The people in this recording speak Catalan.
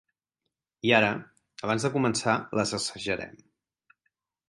I ara abans de començar les assajarem.